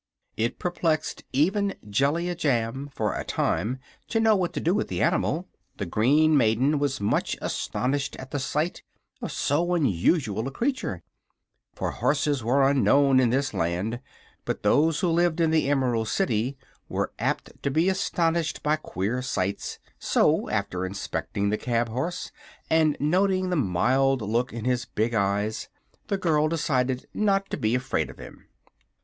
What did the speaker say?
It perplexed even Jellia Jamb, for a time, to know what to do with the animal. The green maiden was much astonished at the sight of so unusual a creature, for horses were unknown in this Land; but those who lived in the Emerald City were apt to be astonished by queer sights, so after inspecting the cab horse and noting the mild look in his big eyes the girl decided not to be afraid of him.